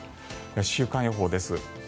週間予報です。